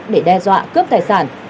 để đe dọa cướp tài sản